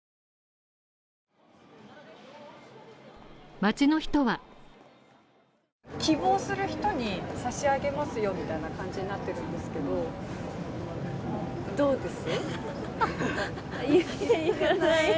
街の人は希望する人に差し上げますよみたいな感じになってるんですけど、どうです？